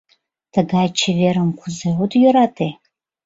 Тыгай чеверым кузе от йӧрате?..